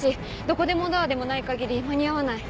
どこでもドアでもない限り間に合わない。